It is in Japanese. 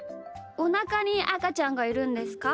おなかにあかちゃんがいるんですか？